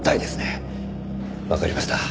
わかりました。